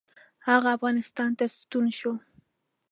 هغه افغانستان ته ستون شو.